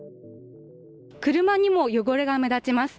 車にも汚れが目立ちます。